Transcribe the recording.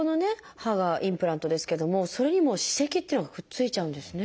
歯がインプラントですけどもそれにも歯石っていうのがくっついちゃうんですね。